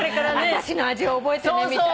私の味を覚えてねみたいな。